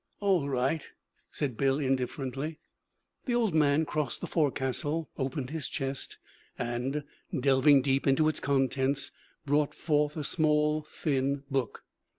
'All right,' said Bill indifferently. The old man crossed the forecastle, opened his chest, and, delving deep into its contents, brought forth a small, thin book.